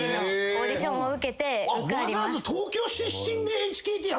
わざわざ東京出身でＨＫＴ入ってんの？